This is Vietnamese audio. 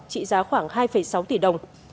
trị giá khoảng hai sáu tỷ đồng